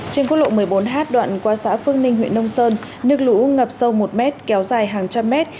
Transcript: trên quốc lộ một mươi bốn h đoạn qua xã phương ninh huyện nông sơn nước lũ ngập sâu một mét kéo dài hàng trăm mét